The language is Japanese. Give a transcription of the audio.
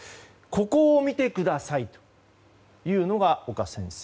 ここを見てくださいというのが岡先生。